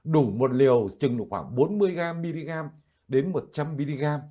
đủ một liều chừng khoảng bốn mươi mg một trăm linh mg